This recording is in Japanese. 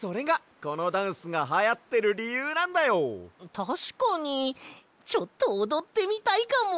たしかにちょっとおどってみたいかも。